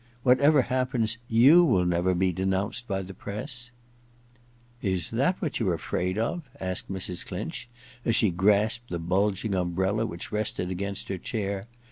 Whatever happens, you will never be denounced by the press !Is that what you're afraid of? ' asked Mrs. Clinch, as she grasped the bulging umbrella which rested against her chair.